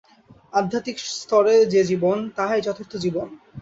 আধ্যাত্মিক স্তরে যে জীবন, তাহাই যথার্থ জীবন।